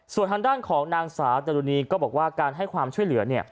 ส่วนทางด้านของนางสาวจรุณีก็บอกว่าการให้ความช่วยเหลือ